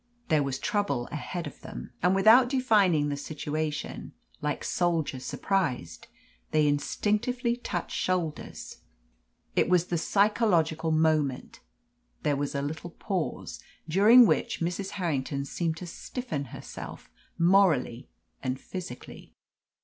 There was trouble ahead of them; and without defining the situation, like soldiers surprised, they instinctively touched shoulders. It was the psychological moment. There was a little pause, during which Mrs. Harrington seemed to stiffen herself, morally and physically.